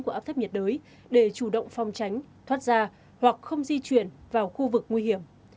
của áp thấp nhiệt đới để chủ động phòng tránh thoát ra hoặc không di chuyển vào khu vực nguy hiểm